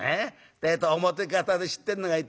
てえと表方で知ってんのがいてよ。